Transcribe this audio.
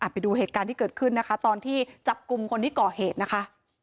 ไปดูเหตุการณ์ที่เกิดขึ้นนะคะตอนที่จับกลุ่มคนที่ก่อเหตุนะคะ